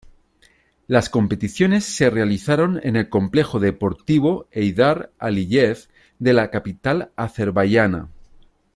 Las competiciones se realizaron en el Complejo Deportivo Heydar Aliyev de la capital azerbaiyana.